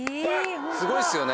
すごいっすよね。